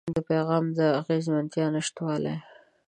د پيغام د اغېزمنتيا نشتون.